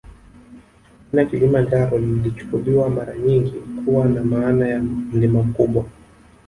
Jina Kilima Njaro lilichukuliwa mara nyingi kuwa na maana ya mlima mkubwa